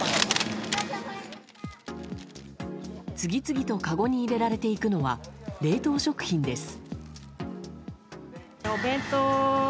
次々とかごに入れられていくのは冷凍食品です。